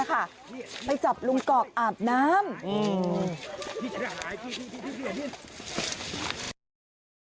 อ่ะค่ะไปจับลุงกรอกอาบน้ำอืม